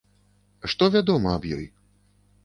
Што вядома аб ёй?